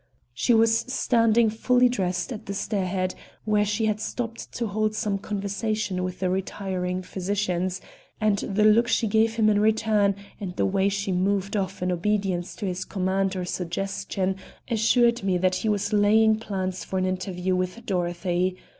She was standing fully dressed at the stairhead, where she had stopped to hold some conversation with the retiring physicians; and the look she gave him in return and the way she moved off in obedience to his command or suggestion assured me that he was laying plans for an interview with Dorothy.